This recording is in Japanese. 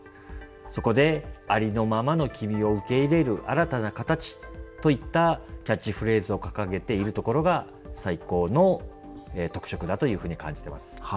そこで「ありのままの君を受け入れる新たな形」といったキャッチフレーズを掲げているところが最高の特色だというふうに感じてます。